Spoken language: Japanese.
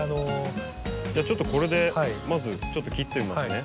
じゃあちょっとこれでまずちょっと切ってみますね。